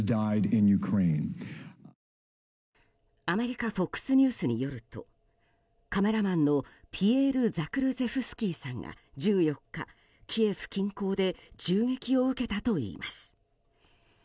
アメリカＦＯＸニュースによるとカメラマンのピエール・ザクルゼフスキーさんが１４日、キエフ近郊で銃撃を受けたといいます。